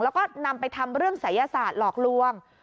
แล้วก็นำไปทำเรื่องศัยศาสตร์หลอกลวง